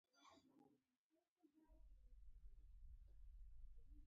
کرکیله او د مالونو روزنه د نارینه وو کار شو.